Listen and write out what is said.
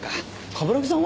冠城さんは？